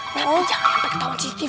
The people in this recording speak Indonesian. nanti jangan sampai ketawa cctv